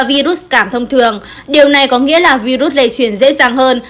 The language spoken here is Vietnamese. virus cảm thông thường điều này có nghĩa là virus lây truyền dễ dàng hơn